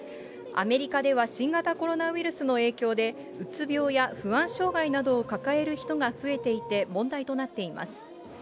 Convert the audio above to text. アメリカでは新型コロナウイルスの影響で、うつ病や不安障害などを抱える人が増えていて問題となっています。